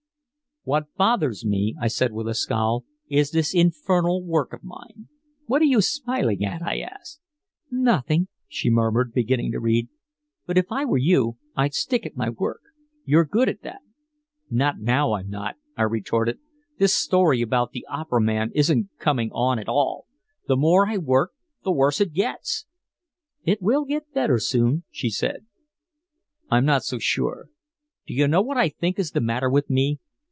"What bothers me," I said with a scowl, "is this infernal work of mine. What are you smiling at?" I asked. "Nothing," she murmured, beginning to read. "But if I were you I'd stick at my work. You're good at that." "Not now I'm not," I retorted. "This story about the opera man isn't coming on at all! The more I work the worse it gets!" "It will get better soon," she said. "I'm not so sure. Do you know what I think is the matter with me?